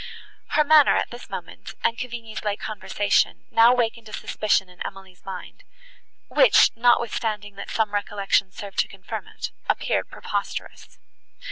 Her manner, at this moment, and Cavigni's late conversation, now awakened a suspicion in Emily's mind, which, notwithstanding that some recollections served to confirm it, appeared preposterous.